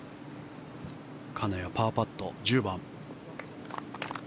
金谷、パーパット１０番。